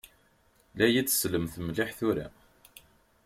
La yi-d-sellemt mliḥ tura?